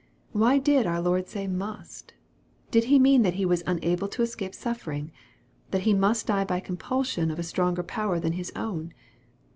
"^ Why did our Lord say " must ?" Did He mean that He was unable to escape suffering that He must die by compulsion of a stronger power than His own